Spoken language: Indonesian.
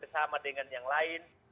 sama dengan yang lain